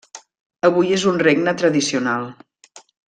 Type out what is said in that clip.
Avui és un regne tradicional.